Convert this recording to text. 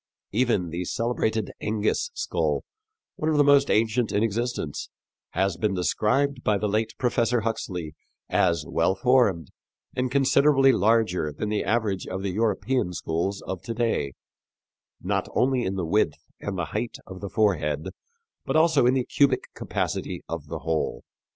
Even the celebrated Engis skull, one of the most ancient in existence, has been described by the late Professor Huxley as well formed and considerably larger than the average of the European skulls of to day, not only in the width and height of the forehead, but also in the cubic capacity of the whole.